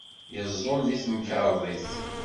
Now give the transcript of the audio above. Yeẓẓul deg temkarḍit.